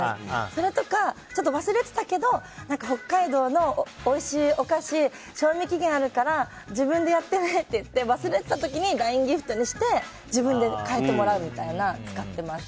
それとか、ちょっと忘れてたけど北海道のおいしいお菓子賞味期限があるから自分でやってねって言って忘れてた時にＬＩＮＥギフトにして自分で換えてもらうとかにして使ってます。